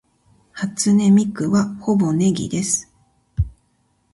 初音ミクはほぼネギです